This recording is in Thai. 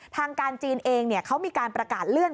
ทางการจีนเองเขามีการประกาศเลื่อน